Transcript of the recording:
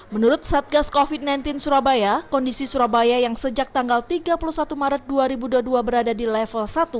menurut satgas covid sembilan belas surabaya kondisi surabaya yang sejak tanggal tiga puluh satu maret dua ribu dua puluh dua berada di level satu